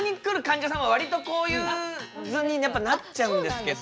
んじゃさんは割とこういう図にやっぱなっちゃうんですけど。